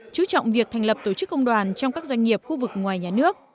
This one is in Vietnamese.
chú trọng việc thành lập tổ chức công đoàn trong các doanh nghiệp khu vực ngoài nhà nước